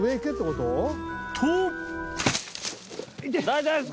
［と］